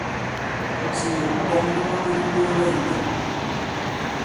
Ǹcìì à ɓɔ̂ŋ ìwaŋge di ndoolɛ ì pěn.